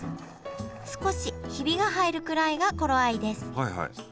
少しヒビが入るくらいが頃合いです。